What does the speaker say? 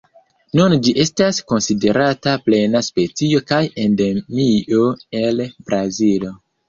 Nun ĝi estas konsiderata plena specio kaj endemio el Brazilo.